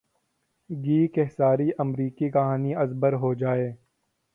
گی کہ ساری امریکی کہانی از بر ہو جائے۔